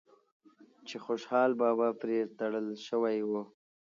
چې خوشحال بابا پرې تړل شوی و